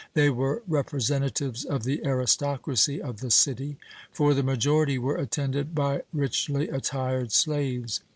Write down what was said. They were representatives of the aristocracy of the city; for the majority were attended by richly attired slaves.